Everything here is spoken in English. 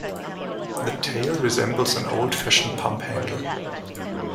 The tail resembles an old fashioned pump handle.